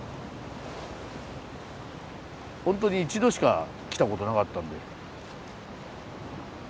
ホントに一度しか来たことなかったんで。